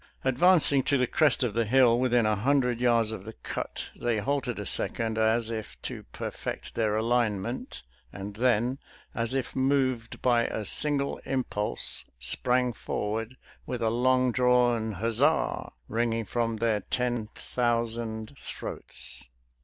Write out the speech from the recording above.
Ad vancing to the crest of the hill within a hundred yards of the cut, they halted a second, as if to perfect their alignment, and then, as if moved by a single impulse, sprang forward, with a long drawn " huzzah " ringing from their ten thou 66 SOLDIER'S LETTERS TO CHARMING NELLIE sand throats.